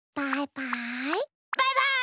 バイバイ！